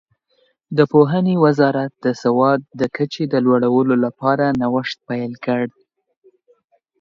د پوهنې وزارت د سواد د کچې د لوړولو لپاره نوښت پیل کړ.